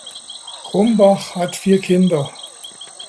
Grumbach hat vier Kinder.